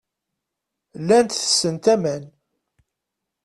Llant tessent aman.